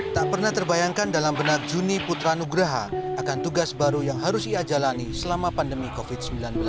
tak pernah terbayangkan dalam benak juni putra nugraha akan tugas baru yang harus ia jalani selama pandemi covid sembilan belas